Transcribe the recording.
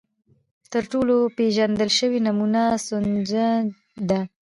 تر ټولو پېژندل شوې نمونه ستونهنج ده.